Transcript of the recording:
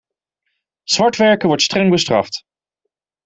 Zwartwerken wordt streng bestraft.